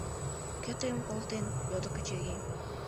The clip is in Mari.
— Кӧ тыйым колтен? — йодо Качырий.